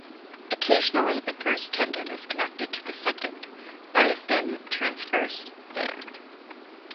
Occasionally the first tendon is connected to the second by a thin transverse band.